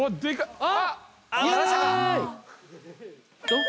あっ！